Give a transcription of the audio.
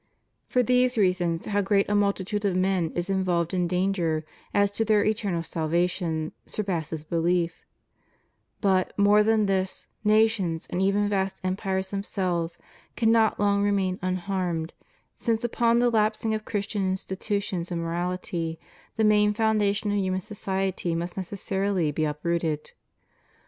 For these reasons how great a multitude of men is in volved in danger as to their eternal salvation surpasses belief; but, more than this, nations and even vast empires themselves cannot long remain unharmed, since upon the lapsing of Christian institutions and morality, the main foundation of himian society must necessarily be uprooted.